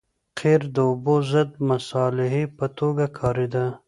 قیر د اوبو ضد مصالحې په توګه کارېده